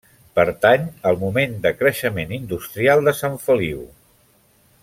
Pertany al moment de creixement industrial de Sant Feliu.